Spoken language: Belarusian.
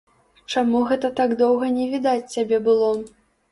Чаму гэта так доўга не відаць цябе было?